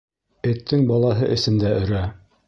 Эттең балаһы эсендә өрә.